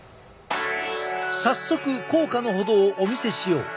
早速効果の程をお見せしよう。